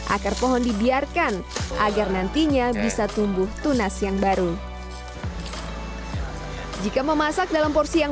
akar pohon dibiarkan agar nantinya bisa tumbuh tunas yang baru jika memasak dalam porsi yang